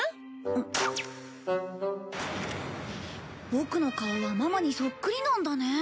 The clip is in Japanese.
ボクの顔はママにそっくりなんだね。